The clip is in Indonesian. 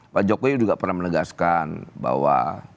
pak jokowi juga pernah menegaskan bahwa